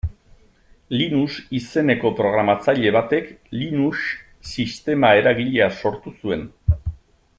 Linus izeneko programatzaile batek Linux sistema eragilea sortu zuen.